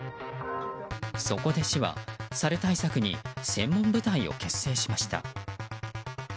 そこで市は、サル対策に専門部隊を結成しました。